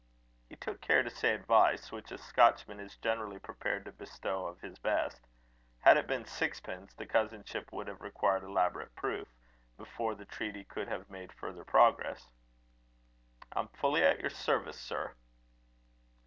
He took care to say advice, which a Scotchman is generally prepared to bestow of his best. Had it been sixpence, the cousinship would have required elaborate proof, before the treaty could have made further progress. "I'm fully at your service, sir."